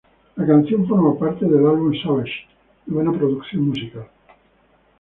La canción forma parte del álbum "Savages", novena producción musical.